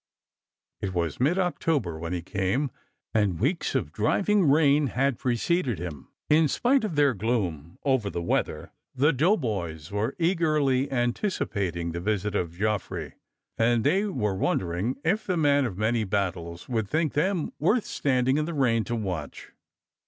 It was mid October when he came, and weeks of driving rain had preceded him. In spite of their gloom over the weather, the doughboys were eagerly anticipating the visit of Joffre, and they were wondering if the man of many battles would think them worth standing in the rain to watch.